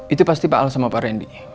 itu pasti pak al sama pak randy